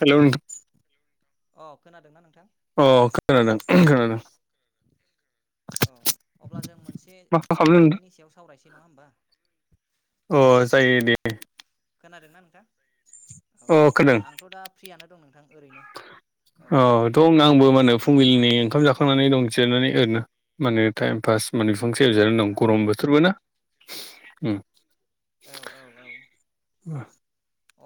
hello नों अ खोनादोंना नोंथां अ खोनादों खोनादों औ अब्ला जों मोनसे मा खालामदों आयदानि सायाव सावरायसै जसे नङा होमबा अ जायो दे खोनादोंना नोंथां औ आंथ' दा फ्रियनो दं नोंथां ओरैनो औ दं आंबो माने फुंबिलिनि ओंखाम जाखांनानै दं जिरनानै एरनो माने टाइम पास माने बिफांसे एरजनानै दं औ गरम बोथोरबो ना उम औ औ औ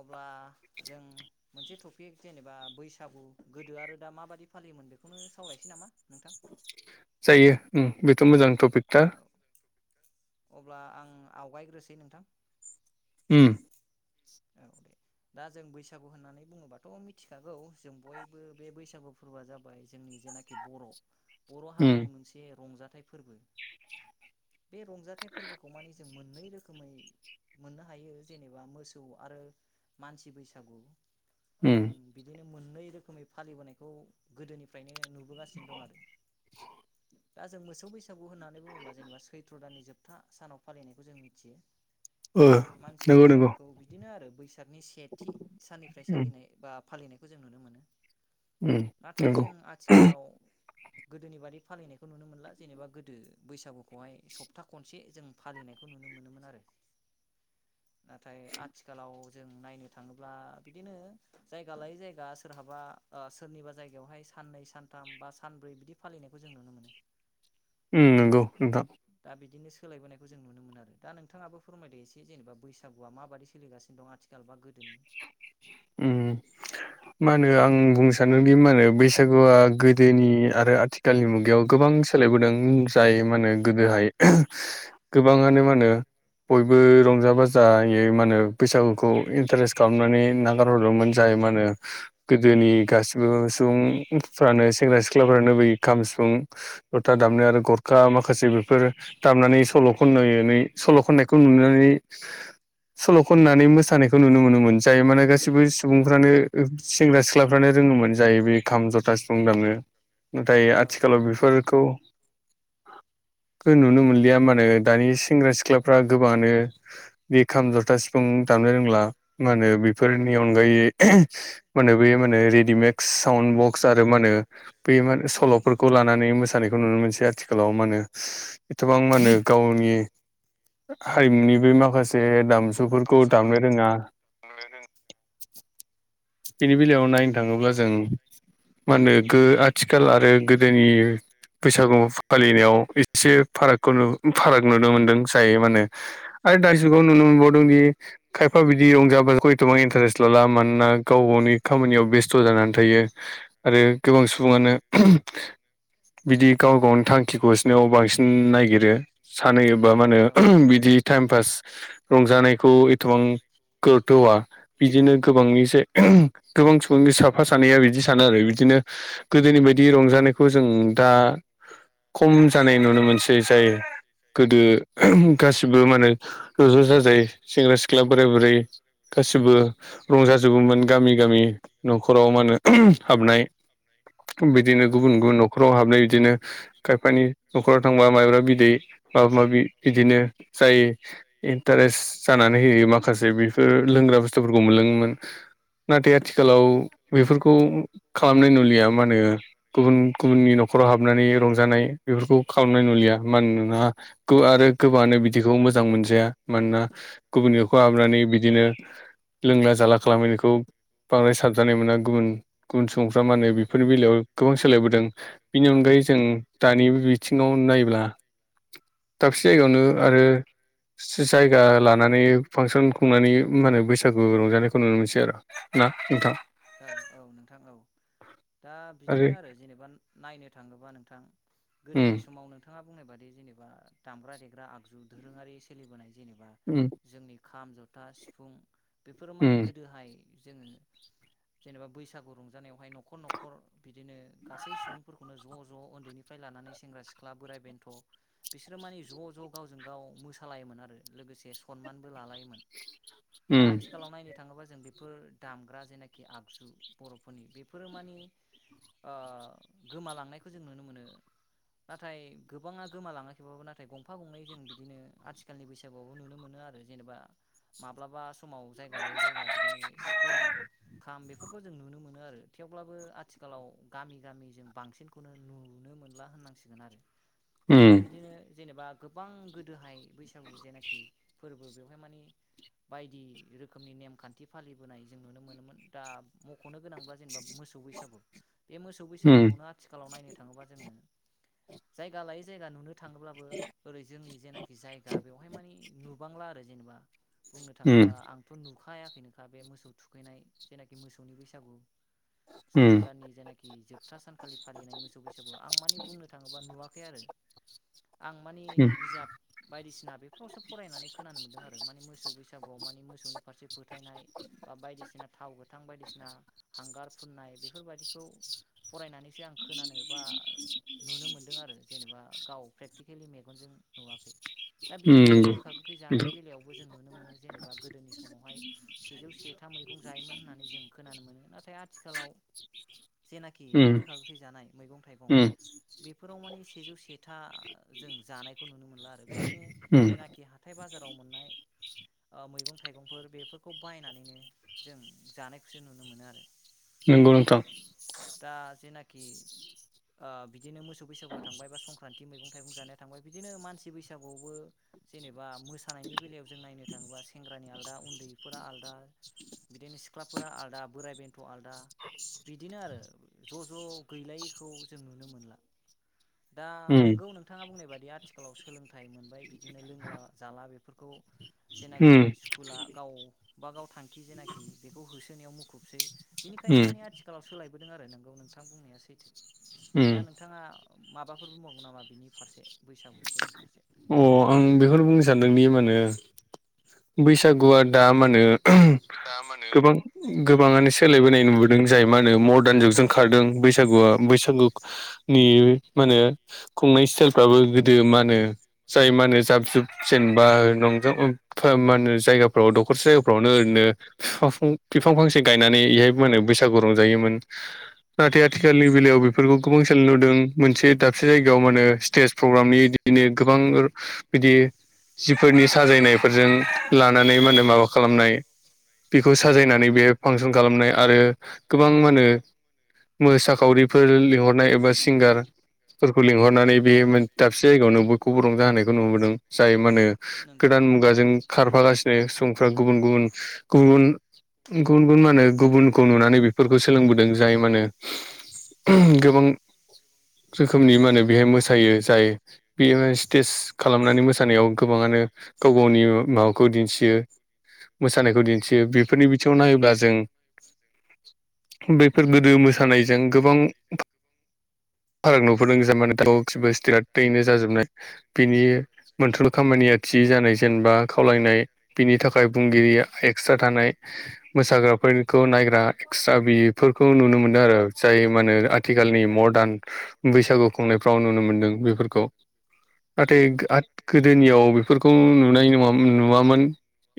अब्ला जों मोनसे टपिक जेनेबा बैसागु गोदो आरो दा माबायदि फालियो बेखौनो सावरायसै नामा नोंथां जायो बेथ' मोजां टपिक थार औ अब्ला आं आवगायग्रोसै नोंथां हम औ दे दा जों बैसागु होननानै बुङोबाथ' मिथिखागौ जों बयबो बे बैसागु फोरबोआ जाबाय जों जेनाखि जेनाखि बर' बर' उम हारिनि मोनसे रंजाथाइ फोरबो बे रंजाथाइ फोरबोखौ मानि जों मोननै रोखोमै मोननो हायो जेबा मोसौ आरो मानसि बैसागु उम ज बिदिनो मोननै रोखोमै फालिबोनायखौ गोदोनिफ्रायनो नुबोगासिनो दं आरो दा जों मोसौ बैसागु होननानै बुङोब्ला जेनेबा सैत्र' दाननि जोबथा सानाव फालिनायखौ जों मिथियो ओ नंगौ नंगौ औ बिदिनो आरो बैसागनि सेथि साननिफ्राय उम सालिनाय बा फालिनायखौ जों नुनो मोनो उम नाथाय नंगौ जों आथिखालाव गोदोनि बादि फालिनायखौ नुनो मोनला जेनेबा गोदो बैसागुखौहाय सप्ता खनसे जों फालिनायखौ नुनो मोनोमोन आरो नाथाय आथिखालाव जों नायनो थाङोब्ला बिदिनो जायगा लायै जायगा सोरहाबा सोरनिबा जायगायावहाय साननै सानथाम बा सानब्रै बिदि फालिनायखौ जों नुनो मोनो नंगौ नोंथां दा बिदिनो सोलायबोनायखौ जों नुनो मोनो आरो दा नोंथाङाबो फोरमायदो एसे जेनेबा बैसागुआ माबायदि सोलिगानो दं आथिखाल बा गोदोनि [unintelligible] मा होनो आं बुंनो सानोदि मा होनो बैसागुआ गोदोनि आरो आथिखालनि मुगायाव गोबां गोबां सोलायबोदों जाय मा होने गोदोहाय गोबाङानो मा होनो बयबो रंजा बाजायै मा होनो बैसागुखौ इन्टारेस् खालामनानै नागारहरदोंमोन जाय मा होनो गोदोनि गासिबो सुबुंफ्रानो सेंग्रा सिख्लाफ्रानोनो बैयोै खाम सिफुं जथा दामनो आरो गरखा माखासे बेफोर दामनानै सल' खन [unintelligible] सल' खननायखौ नुनानै सल' खननानै मोसानायखौ नुनो मोनोमोन जायो माने गासैबो सुबुंफ्रानो सेंग्रा सिख्लाफ्रानो रोङोमोन जायो बे खाम जथा सुफुं दामनो नाथाय औ आथिखालाव बेफोरखौ [inaudible] नुनो मोनलिया मानोे दानि सेंग्रा सिख्लाफ्रा गोबाङानो बे खाम जथा सिफुं दाम नो रोंला मा होनो बेफोरनि अनगायै मा होनो बे मा होनो रेडिमेक्स साउन्द बक्स आरो मा होनो सल'फोरखौ लानानै मोसानायखौ नुनो मोनसै आथिखालाव मा होनो एथबां मा होनो गावनि हारिमुनि बे माखासे दामजुफोरखौ दामनो रोङा [unintelligible] बेनि बेलायाव नायनो थाङोब्ला औ जों मा होनो आथिखाल आरो गोदोनि बैसागु फालिनायाव एसे फारागखौ फाराग नुनो मोनदों जायो माहनो आरो दा जुगाव नुनो मोनबावदों दि खायफा बिदि रंजा-बाजाखौ एथबां इन्टारेस्ट लाला मानोना गाव गावनि खामानियाव बेस्थ' जानानै थायो आरो गोबां सुबुङानो बिदि गाव गावनो थां खिखौ होसोनायाव बांसिन नायगिरो सानहोयोबा मा औ होनो बिदि टाइम पास रंजानायखौ एथबां गुरथ' होआ बिदिनो गोबांनि साय गोबां सुबुंनि साफा सानैया बिदि सानो आरो बिदिनो गोदोनि बायदि रंजानायखौ जों दा खम जानाय नुनो मोनसै जाय गोदो गासिबो माने ज' ज' जाजाय सेंग्रा सिख्ला बोराय बुरै गासिबो रंजाजोबोमोन गामि गामि न'खराव मा होनो हाबनाय बिदिनो औ गुबुन गुबुन न'खराव हाबनाय बिदिनो खायफानि न'खराव थांबा माइब्रा बिदै माबा माबि बिदिनो जाय इन्टारेस्ट जानाय नानै होयो माखासे बेफोर लोंग्रा बुस्थुफोरखौ मोनलोङोमोन नाथाय आथिखालाव बेफोरखौ खालामनाय नुलिया मा होनो गुबुन गुबुननि न'खराव हाबनानै रंजानाय बेफोरखौ खालामनाय नुलिया मानोना आरो गोबाङानो बिदिखौ मोजां मोनजाया मानोना गुबुननि नखौ हाबनानै बिदिनो लोंला जाला खालामैनायखौ बांद्राय साबजानाय मोना गुबुन गुबुन सुबुंफ्रा मा होनो बेफोरनि बेलायाव गोबां सोलायबोदों बेनि अनगायै औ यै जों दानि बिथिङाव नायब्ला दाबसे जायगायावनो आरो जायगा लानानै फांसन खुंनानै मा होनो बैसागु रंजानायखौ नुनो मोनसै आरो ना नोंथां औ औ नोंथां औ दा बिदिनो आरो जेनेबा नायनो थाङोबा नोंथां गोदोनि समाव नोंथाङा बुंनाय बादि जेनेबा दामग्रा देग्रा आगजु दोरोङारि सोलिबोनाय जेनेबा जोंनि खाम जथा सिफुं बेफोरो माने गोदोहाय जोङो जेनेबा बैसागु रंजानायावहाय न'खर न'खर बिदिनो गासै सुबुंफोरखौनो ज' ज' उन्दैनिफ्राय लाना सेंग्रा सिख्ला बोराय बेन्थ' बिसोरो माने ज' ज' गावजों गाव मोसालायोमोन आरो लोगोसे सनमानबो लालायोमोन दा आथिखालाव नायनो थाङोबा जों बेफोर दामग्रा [unintelligible] खि आगजु बर'फोरनि बेफोरो मानिे ओ गोमालांनायखौ जों नुनो मोनो नाथाय गोबाङा गोमालाङाखैबाबो नाथाय गंफा गंनै जों बिदिनो आथिखालनि बैसागुआवबो नुनो मोन- ला आरो जेनेबा माब्लाबा समाव जायगा लायै जायगा बिदिनो सिफुं खाम बेफोरखौ जों नुनो मोनो आरो थेवब्लाबो आथिखालाव गामि गामि जों बांसिनखौनो नुनो मोन ला होननांसिगोन आरो दा बिदिनो जेनेबा गोबां गोदोहाय बैसागु जेनाखि फोरबो बेवहाय मानि बायदि रोखोमनि नेमखान्थि फालिबोनाय जों नुनो मोनोमोन दा मख'नो गोनांब्ला जेनेबा मोसौ बैसागु बे मोसौ बैसागुखौनो आथिखालाव नायनो थाङोबा जोङो जायगा लायै जायगा नुनो थाङोब्लाबो ओरै जोंनि जेनाखि जायगा बेवहाय मानि नुबांला आरो जेनेबा बुंनो थाङोबा आंथ' नुखायाखैनोखा बे मोसौ थुखैनाय जेनाखि मोसौनि बैसागु [unintelligible] सैथ्र' दाननि जेनाखि जोबथा सानखालि फालिनाय मोसौ बैसागु आं मानिे बुंनो थाङोब्ला नुवाखै आरो [unintelligible] आं माने बिजाब बायदिसिना बेफोरावसो फरायनानै खोनानो मोन्दों आरो माने मोसौ बैसागुआव माने मोसौनि फारसे फोथायनाय बा बायदिसिना थाव गोथां बायदिसिना हांगार फुननाय बेफोरबायदिखौ फरायनानैसो आं खोनानो बा नुनो मोनदों आरो जेनेबा गाव प्रेक थिखेलि मेगनजों नुवाखै दा बिदिनो आरो गोखा गोखै जानाय बेलायावबो जों नुनो मोनो जेनेबा गोदोनि समावहाय सेजौ सेथा मै बुंजायोमोन होननानै जों खोनानो मोनो नाथाय आथिखालाव जेनाखि बे गोखा गोखै जानाय मैगं थाइगं बेफोराव मानिे सेजौ सेथा जों जानायखौ नुनो मोनला आरो बिदिनो जेनाखि हाथाय बाजार फ्राव होननाय ओ मैगं थाइगंफोर बेफोरखौ बायनानैनो जों जानायखौसो नुनो मोनो आरो नोंगौ नोंथां दा जेनाखि ओ बिदिनो मोसौ बैसागुआव थांबाय बा संक्रान्ति थि मैगं थाइगं जानाया थांबा बिदिनो मानसि बैसागुआवबो जेनेबा मोसानायनि बेलायाव जों नायनो थाङोबा सेंग्रानि आलदा उन्दैफोरा आलदा बिदिनो सिख्लाफोरा आलादा बोराइ बेन्थ' आलादा बिदिनो आरो ज' ज' गैलायैखौ जों नुनो मोनला दा उम नोंगौ नोंथाङा बुंनाय बाददि आथिखालाव सोलोंथाइ मोनबाय बिदिनो लोंला जाला बेफोरखौ जेनाखि उम स्कुला गावबा गाव थांखि जेनाखि बेखौ होसोनायाव मुखुबसै बिनिखायनो उम माने आथिखालाव सोलायबोदों आरो नोंगौ नोंथां बुंनाया सैथो उम दा नोंथाङा माबाफोर बुंबागोन नामा बिनि फारसे बैसागुफोरनि फारसे अ आं बेखौनो बुंनो सानदोंदि मा होनो बैसागुआ दा मानो गोबां गोबाङानो सोलायबोनाय नुबोदों जाय मा होनो मर्दार्न जुगजों खारदों बैसागुआ बैसागुनि मा होनो खुंनाय स्टाइलफ्राबो उम गोदो मा होनो जाय मा होनो जाब जुब जेनेबा नज [unintelligible] मा होनो जायगाफ्राव दख'रसे जायगाफ्रावनो ओरैनो ओ फिफाफां बिफां फांसे गायनानै एहायबो मा होनो बैसागु रंजायोमोन नाथाय आथि खालनि बेलायाव बेफोरखौ गोबां सोलायनाय नुदों मोनसे दाबसे जायगायाव मा होनो स्टेज प्रग्रामनि बिदिनो गोबां बिदि जिफोरनि साजायनायफोरजों लानानै मान होनो माबा खालामनाय बेखौ औ साजायनानै बे फांसन खालामनाय आरो गोबां मा होनो मोसा खावरिफोर लिंहरनाय एबा सिंगारफोरखौ लिंहरनानै बे मोन दाबसे जायगायावनो रंजा होनायखौ नुबोदों जाय मा होनो नंगौ गोदान मुगाजों खार फागासिनो सुबुंफ्रा गुबुन गुबुन गुबुन गुबुन गुबुन मा होनो गुबुनखौ नुनानै बेफोरखौ सोलोंबोदों जाय मा होनो गोबां रोखोमनि माने बेहाय मोसायो जायो बियो स्टेज खालामनानै मोसानायाव गोबाङानो गाव गावनि माबाखौ दिनथियो मोसानायखौ दिनथियो बेफोरनि बिथिङाव नायोब्ला जों बेफोर गोदो मोसानायजों गोबां फाराग [unintelligible] जाजोबनाय बिनि मोनथोर खामानिया थि जानाय जेनेबा खावलायनाय बिनि थाखाय बुंगिरि एक्सट्रा थानाय मोसाग्राफोरखौ नायग्रा एक्सट्रा बिफोरखौ नुनो मोनो मोनदों आरो जाय मा होनो आथिखालनि मदार्न बैसागु खुंनायफ्राव नुनो मोन्दों बेफोरखौ औ नाथाय गोदोनियाव बेफोरखौ नुनाय नङामोन नुवामोन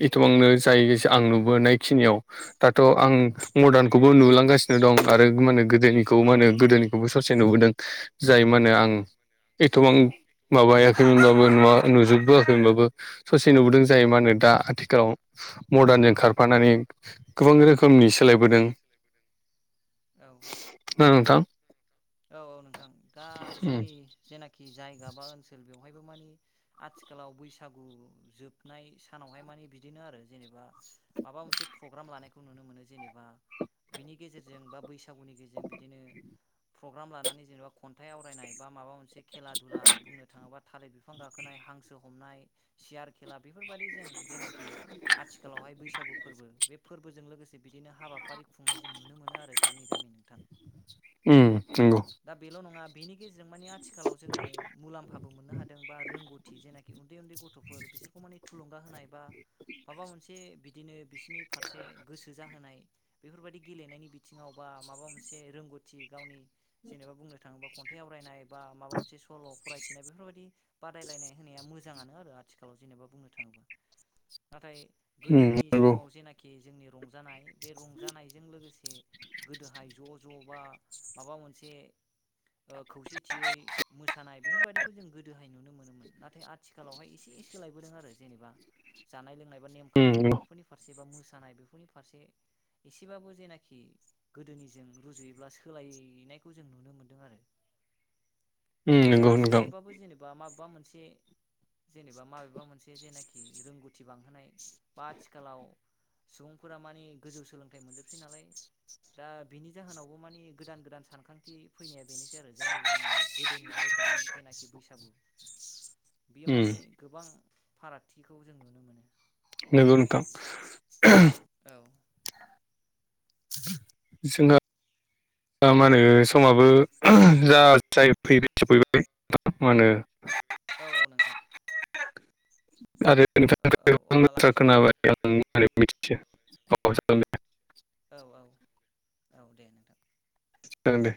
एथबांनो जायो आं नुबोनाय खिनियाव दाथ' आं मदार्नखौबो नुलांगासिनो दं आरो मानो गोदोनिखौ मा होनो गोदोनिखौबो ससे नुबोदों जाय मा होनो आं एथबां माबायाखै मोनबाबो नुजोबबोआखै मोनबाबो ससे नुबोदों जाय मा होनो दा आथिखालाव मदार्नजों खारफानानै गोबां रोखोमनि सोलायबोदों औ ना नोंथां औ औ नोंथां दा जोंनि जेनाखि जाय ओनसोल बेयावहायबो माने आथिखालाव बैसागु जोबनाय सानावहाय मानो बिदिनो आरो जेनेबा माबा मोनसे प्रग्राम लानायखौ नुनो मोनो जेनेबा बिनि गेजेरजों बा बैसागुनि गेजेरजों बिदिनो प्रग्राम लानानै जेनेबा खन्थाइ आवरायनाय बा माबा मोनसे खेला दुला बुंनो थाङोबा थालिर बिफां गाखोनाय हांसो हमनाय सियार खेला बेफोर बेफोरबायदि जों जेनाखि आथिखालावहाय बैसागु फोरबो बे फोरबोजों लोगोसे बिदिनो हाबाफारि खुंनाय जों नुनो मोनो आरो गामि गामि नोंथां उ नंगौ दा बेल' नङा बेनि आथिखालाव जोङो मुलामफाबो मोननो हादों बा रोंगौथि गथ' बिसोरखौ माने थुलुंगा होनाय बा माबा मोनसे बिदिनो बिस बिनि फारसे गोसो जाहोनाय बेफोरबायदि गेलेनायनि बिथिङाव बा माबा मोनसे रोंगौथि गावनि जेनेबा बुंनो थाङोबा खन्थाइ आवरायनाय बा माबा मोनसे सल' फरायथिनाय बेफोरबायदि बादायलायनाय होनाया मोजाङानो आरो आथिखालाव जेनेबा बुंनो थाङोब्ला नाथाय उम गोदोनि नंगौ समाव जेनाखि जोंनि रंजानाय बे रंजानायजों लोगोसे गोदोहाय ज' ज' बा माबा मोनसे [inaudible] खौसेथियै मोसानाय बेफोरबायदिखौ जों गोदोहाय नुनो मोनोमोन नाथाय आथिखालावहाय एसे एसे आरो जबा जानाय लोंनाय बा नेम उम खानथि नंगौ बेफोरनि फारसे बा मोसानाय बेफोरनि फारसे एसेबाबो जेनाखि गोदोनिजों रुजुयोब्ला सोलायो नायखौ जों नुनो मोनदों आरो उम दा नंगौ नोंथां सोलायबाबो जेनेबा माबेबा मोनसे जेनेबा माबेबा मोनसे जेनाखि रोंगौथि बांहोनाय बा आथिखालाव सुबुंफोरा मानि गोजौ सोलोंथाइ मोनजोबसै नालाय दा बिनि जाहोनावबो मानि गोदान गोदान सानखान्थि फैनाया बेनोसै आरो जायनि जाहोनाव गोदोनि आरो दानि जेनाखि बैसागु बेयो उम माने गोबां फारागथिखौ जों नुनो मोनो नंगौ नोंथां औ जोंहा दा मा होनो समाबो जा ना फैबाय सफैबाय मा होनो औ औ नोंथां आरो नोंथांनि औ गोबां अब्ला बाथ्रा लाखिथ'सै खोनाबाय आं [unintelligible] औ जागोनदे औ औ औ दे नोंथां जागोनदे